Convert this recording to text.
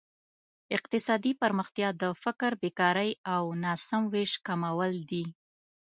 اقتصادي پرمختیا د فقر، بېکارۍ او ناسم ویش کمول دي.